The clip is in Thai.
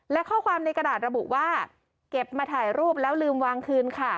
และข้อความในกระดาษระบุว่าเก็บมาถ่ายรูปแล้วลืมวางคืนค่ะ